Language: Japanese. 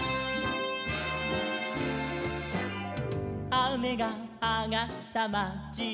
「あめがあがったまちに」